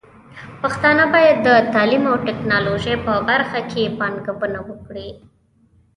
پښتانه بايد د تعليم او ټکنالوژۍ په برخه کې پانګونه وکړي.